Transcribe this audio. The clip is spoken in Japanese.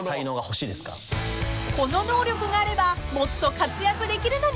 ［この能力があればもっと活躍できるのに］